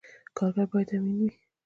کارګر باید امین وي